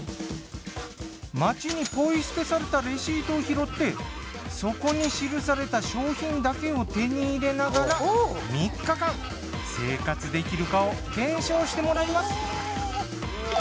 街にポイ捨てされたレシートを拾ってそこに記された商品だけを手に入れながら３日間生活できるかを検証してもらいます。